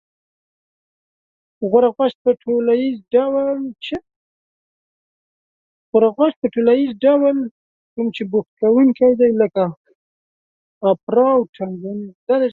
غورغوشت په ټولیز ډول کوم چې بوختوونکي دی لکه: اوپرا، ټنگټکور